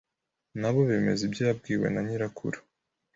na bo bemeza ibyo yabwiwe na nyirakuru,